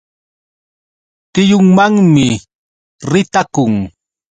Tiyunmanmi ritakun.